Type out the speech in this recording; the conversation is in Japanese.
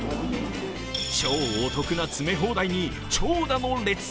超お得な詰め放題に長蛇の列。